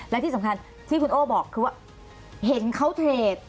และที่สำคัญที่คุณโอ้บอกคือว่าเห็นเขาเทรด